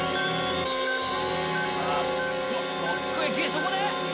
そこで？